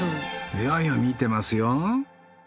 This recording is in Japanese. いやいや見てますよ。